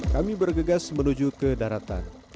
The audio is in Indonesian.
kami bergegas menuju ke daratan